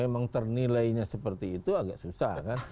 yang ternilainya seperti itu agak susah